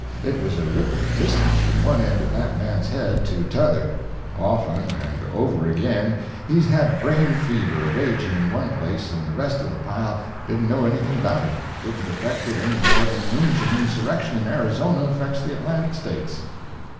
It was a ripping distance from one end of that man's head to t'other. Often and over again he's had brain fever a raging in one place, and the rest of the pile didn't know anything about it didn't affect it any more than an Injun Insurrection in Arizona affects the Atlantic States.